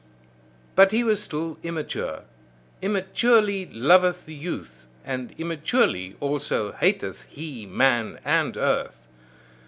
But he was still immature. Immaturely loveth the youth, and immaturely also hateth he man and earth.